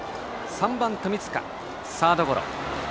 ３番、富塚、サードゴロ。